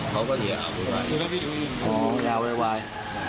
เขาก็อย่าเอาเวยวายตรงกี้อ่าอย่าเอาเวยวาย